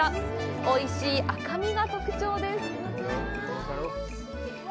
美しい赤みが特徴です！